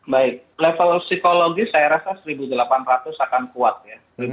baik level psikologis saya rasa satu delapan ratus akan kuat ya